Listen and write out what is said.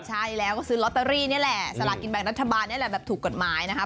ใช่แล้วก็ซื้อลอตเตอรี่นี่แหละสลากินแบ่งรัฐบาลนี่แหละแบบถูกกฎหมายนะคะ